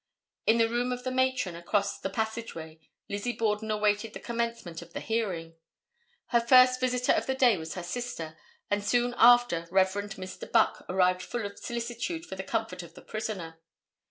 In the room of the matron across the passageway Lizzie Borden awaited the commencement of the hearing. Her first visitor of the day was her sister, and soon after Rev. Mr. Buck arrived full of solicitude for the comfort of the prisoner.